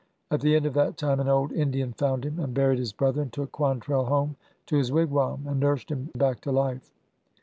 At the end of that time an old Indian found him and buried his brother, and took Quantrell home to his wig wam, and nursed him back to life.